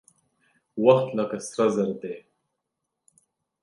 وخت لکه سره زر دى.